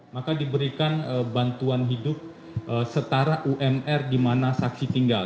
maka diberikan bantuan hidup setara umr dimana saksi tinggal